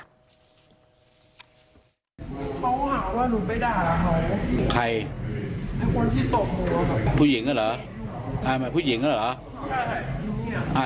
มีค่ะมีทุกคนเลยค่ะ